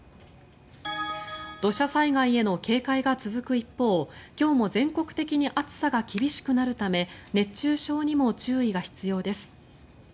土砂災害への警戒が続く一方今日も全国的に暑さが厳しくなるため熱中症にも注意が必要です。